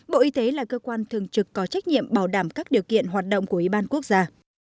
bộ y tế là cơ quan thường trực có trách nhiệm bảo đảm các điều kiện hoạt động của ủy ban quốc gia